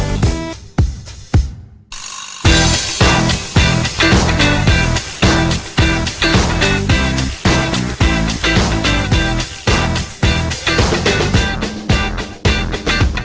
โปรดติดตามตอนต่อไป